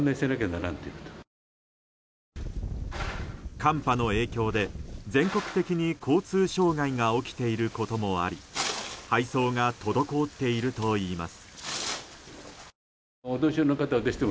寒波の影響で、全国的に交通障害が起きていることもあり配送が滞っているといいます。